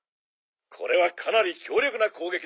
「これはかなり強力な攻撃だ」